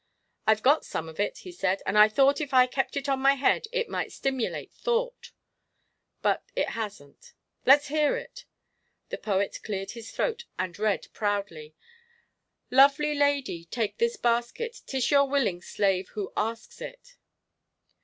"I've got some of it," he said, "and I thought if I kept it on my head it might stimulate thought, but it hasn't." "Let's hear it." The poet cleared his throat and read proudly: "Lovely lady, take this basket; 'Tis your willing slave who asks it."